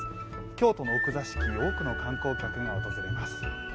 京都の奥座敷、多くの観光客が訪れます。